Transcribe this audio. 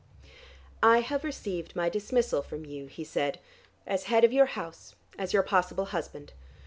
"I have received my dismissal from you," he said, "as head of your house, as your possible husband.